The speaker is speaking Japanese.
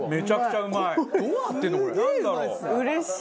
うれしい！